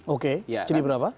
oke jadi berapa